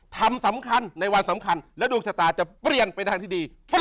สำคัญในวันสำคัญและดวงชะตาจะเปลี่ยนเป็นทางที่ดี